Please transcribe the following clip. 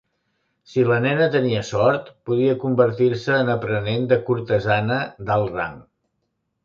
Si la nena tenia sort, podia convertir-se en aprenent de cortesana d'alt rang.